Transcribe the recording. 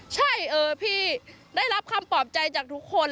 ใช่พี่ได้รับคำปลอบใจจากทุกคน